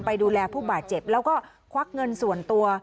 ไปดูแลผู้บาดเจ็บแล้วก็ควักเงินส่วนตัว